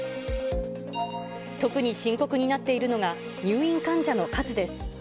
特に深刻になっているのが、入院患者の数です。